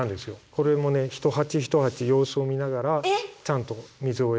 これもね一鉢一鉢様子を見ながらちゃんと水をやる。